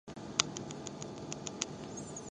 年金に見合った暮らしをする